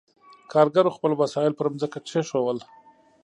کارګرو خپل وسایل پر ځمکه کېښودل.